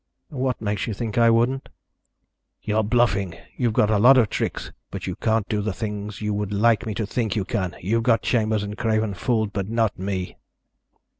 "What makes you think I wouldn't?" "You're bluffing. You've got a lot of tricks, but you can't do the things you would like me to think you can. You've got Chambers and Craven fooled, but not me."